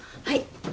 はい。